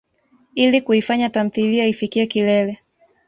Ili kuifanya tamthilia ifikiye kilele.